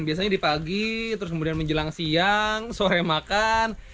biasanya di pagi terus kemudian menjelang siang sore makan